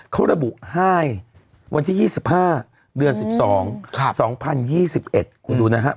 เขาระบุให้วันที่๒๕เดือน๑๒๒๐๒๑คุณดูนะฮะ